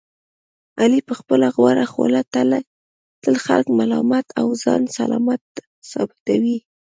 علي په خپله غوړه خوله تل خلک ملامت او ځان سلامت ثابتوي.